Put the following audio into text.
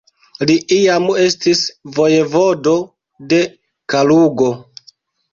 Li iam estis vojevodo de Kalugo.